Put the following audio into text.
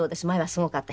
すごかった。